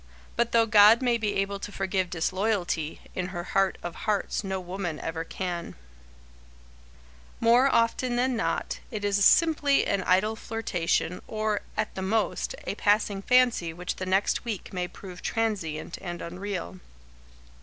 But though God may be able to forgive disloyalty, in her heart of hearts no woman ever can. [Sidenote: An Idle Flirtation] More often than not, it is simply an idle flirtation, or, at the most, a passing fancy which the next week may prove transient and unreal.